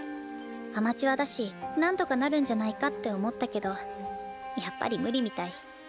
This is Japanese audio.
アマチュアだし何とかなるんじゃないかって思ったけどやっぱり無理みたい。